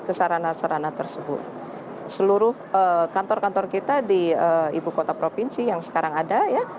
ke sarana sarana tersebut seluruh kantor kantor kita di ibu kota provinsi yang sekarang ada ya